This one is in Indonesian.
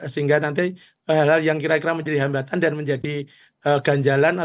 sehingga nanti hal hal yang kira kira menjadi hambatan dan menjadi ganjalan